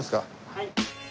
はい。